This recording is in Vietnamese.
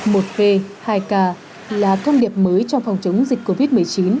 một phê hai ca là công điệp mới cho phòng chống dịch covid một mươi chín